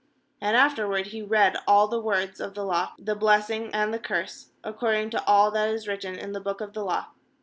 ^And afterward he read all the words of the law, the blessing and the curse, according to all that is written in the book of the law.